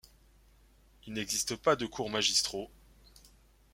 Il n'existe pas de cours magistraux.